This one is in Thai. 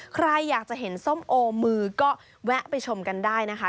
ใครอยากจะเห็นส้มโอมือก็แวะไปชมกันได้นะคะ